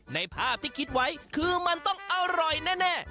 ในภาพที่คิดไว้คือมันต้องอร่อยแน่